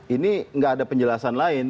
ini nggak ada penjelasan lain